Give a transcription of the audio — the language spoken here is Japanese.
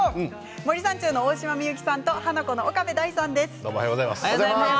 森三中の大島美幸さんとハナコの岡部大さんです。